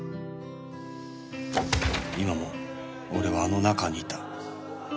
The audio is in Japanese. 今も俺はあの中にいた